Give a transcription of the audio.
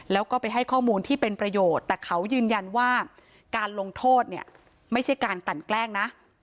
แล้วก็ไปให้ข้อมูลที่เป็นประโยชน์แต่เขายืนยันว่าการลงโทษเนี่ยไม่ใช่การกลั่นแกล้งนะ